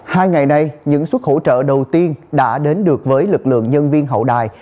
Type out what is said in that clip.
hai ngày nay những suất hỗ trợ đầu tiên đã đến được với lực lượng nhân viên hậu đài